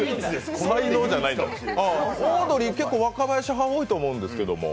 オードリー、結構、若林派多いと思うんですけれども。